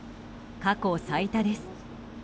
過去最多です。